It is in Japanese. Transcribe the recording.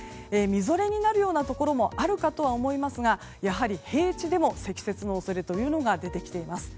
霙になるようなところもあるかと思いますがやはり平地でも積雪の恐れが出てきています。